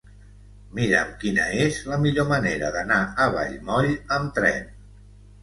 Mira'm quina és la millor manera d'anar a Vallmoll amb tren.